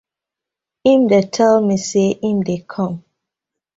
Him dey tey mi say im dey kom.